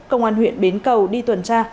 công an huyện bến cầu đi tuần tra